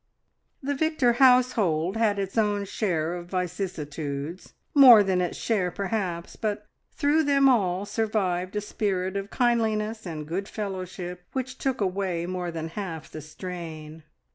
The Victor household had its own share of vicissitudes, more than its share perhaps, but through them all there survived a spirit of kindliness and good fellowship which took away more than half the strain.